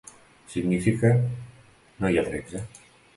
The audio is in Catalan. Significa: no hi ha tretze.